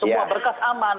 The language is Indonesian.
semua berkas aman